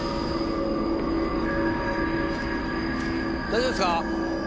大丈夫ですか？